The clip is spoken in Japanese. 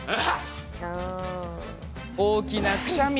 大きなくしゃみ。